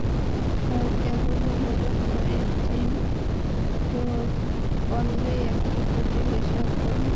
তার কেবলই মনে হয়, ডিম পাড়লেই একটা কোকিল এসে অপকর্ম ঘটিয়ে যাবে।